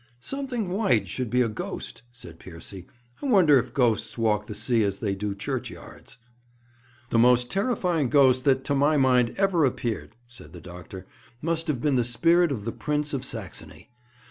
'Something white should be a ghost,' said Piercy. 'I wonder if ghosts walk the sea as they do churchyards?' 'The most terrifying ghost that, to my mind, ever appeared,' said the doctor, 'must have been the spirit of the Prince of Saxony.